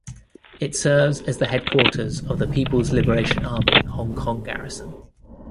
It serves as the headquarters of the People's Liberation Army Hong Kong Garrison.